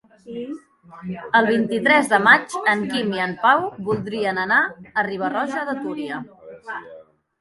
El vint-i-tres de maig en Quim i en Pau voldrien anar a Riba-roja de Túria.